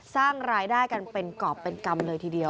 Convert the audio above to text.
สร้างรายได้กันเป็นกรอบเป็นกรรมเลยทีเดียว